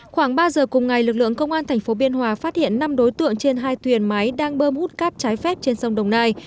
khoảng ba giờ cùng ngày lực lượng công an tp biên hòa phát hiện năm đối tượng trên hai thuyền máy đang bơm hút cát trái phép trên sông đồng nai